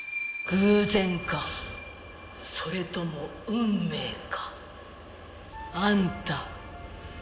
偶然かそれとも運命か。